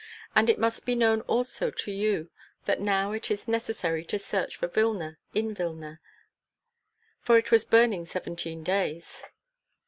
And it must be known also to you that now it is necessary to search for Vilna in Vilna, for it was burning seventeen days.